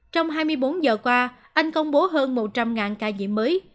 trong hai mươi bốn giờ qua anh công bố hơn một trăm linh ca nhiễm mới